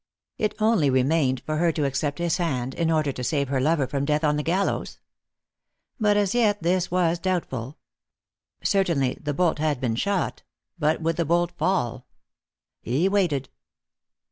It only remained for her to accept his hand, in order to save her lover from death on the gallows. But as yet this was doubtful. Certainly the bolt had been shot; but would the bolt fall? He waited.